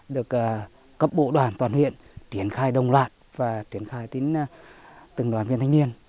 được cấp bộ đoàn toàn huyện triển khai đồng loạt và triển khai đến từng đoàn viên thanh niên